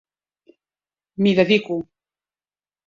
M'hi dedico.